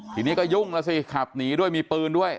ทีนี้ก็ยุ่งแล้วสิขับหนีด้วยมีปืนด้วย